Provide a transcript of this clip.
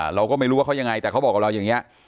เราก็ไม่รู้ว่าเขายังไงแต่เขาบอกกับเราอย่างนี้